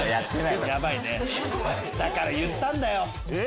だから言ったんだよ。